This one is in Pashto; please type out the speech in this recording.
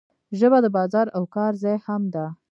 ژبه د بازار او کار ځای هم ده.